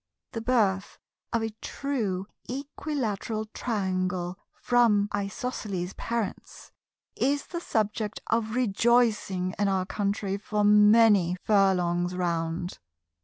The birth of a True Equilateral Triangle from Isosceles parents is the subject of rejoicing in our country for many furlongs round.